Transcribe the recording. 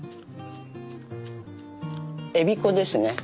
えび粉ですね。